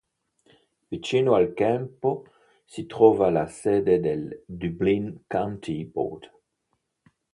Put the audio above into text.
Vicino al campo si trova la sede del Dublin County Board.